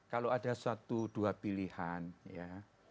kalau ada satu dua pilihan ya